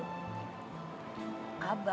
karena karena abah